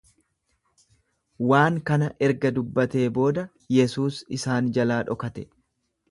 Waan kana erga dubbatee booda Yesuus isaan jalaa dhokate.